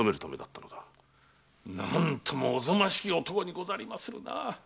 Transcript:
何ともおぞましき男にござりますなあ！